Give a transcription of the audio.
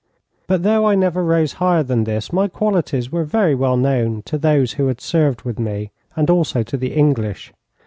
But though I never rose higher than this, my qualities were very well known to those who had served with me, and also to the English.